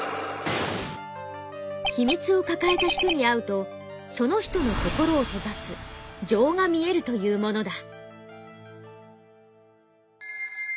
秘密を抱えた人に会うとその人の心を閉ざす「錠」が見えるというものだ。